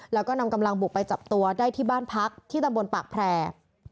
แล้วก็นำกำลังบุกไปจับตัวได้ที่บ้านพักที่ตำบลปากแพร่